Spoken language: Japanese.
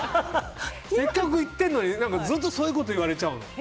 せっかく行ってるのにずっとそういうこと言われちゃうの。